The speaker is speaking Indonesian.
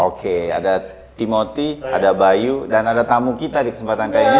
oke ada timoti ada bayu dan ada tamu kita di kesempatan kali ini